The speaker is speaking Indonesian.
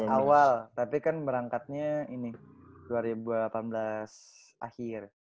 dua ribu delapan belas awal tapi kan merangkatnya ini dua ribu delapan belas akhir